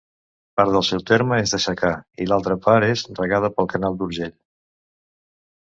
Part del seu terme és de secà i l'altra part és regada pel Canal d'Urgell.